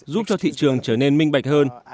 giúp cho thị trường trở nên minh bạch hơn